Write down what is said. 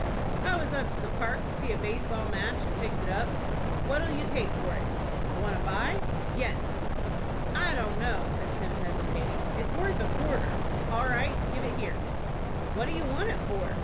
"I was up to the Park to see a base ball match, and picked it up." "What'll you take for it?" "Want to buy?" "Yes." "I don't know," said Tim, hesitating. "It's worth a quarter." "All right. Give it here." "What do you want it for?"